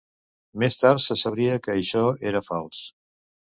Més tard se sabria que això era fals.